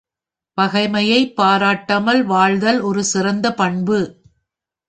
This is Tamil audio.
பகைமை பாராட்டாமல் வாழ்தல் ஒரு சிறந்த பண்பு.